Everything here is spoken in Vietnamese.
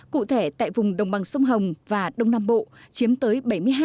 cụ thể tại vùng đồng bằng sông hồng và đông nam bộ chiếm tới bảy mươi hai